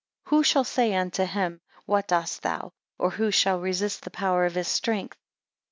14 Who shall say unto him, what dost thou? or who shall resist the power of his strength?